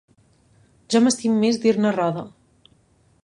Jo m'estim més dir-ne 'roda'.